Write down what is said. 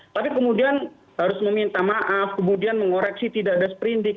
tapi kemudian harus meminta maaf kemudian mengoreksi tidak ada sprindik